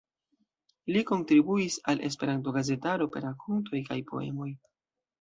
Li kontribuis al Esperanto-gazetaro per rakontoj kaj poemoj.